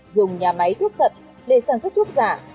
dùng nhà máy thuốc thật để sản xuất thuốc giả